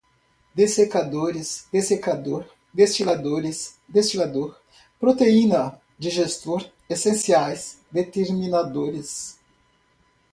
dessecadores, dessecador, destiladores, destilador, proteína, digestor, essenciais, determinadores